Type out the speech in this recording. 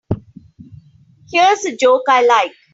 Here's a joke I like.